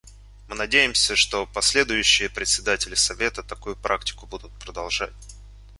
Мы надеемся, что последующие председатели Совета такую практику будут продолжать.